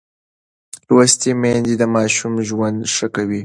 لوستې میندې د ماشوم ژوند ښه کوي.